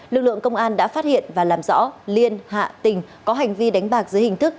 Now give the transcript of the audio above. lực lượng công an đã phát hiện và làm rõ liên hạ tình có hành vi đánh bạc dưới hình thức